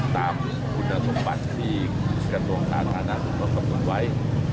ตามคุณสมบัติที่กระทรวงสาธารณะสมมติไว้